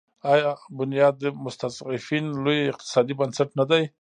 آیا بنیاد مستضعفین لوی اقتصادي بنسټ نه دی؟